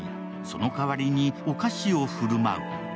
その代わりにお菓子を振る舞う。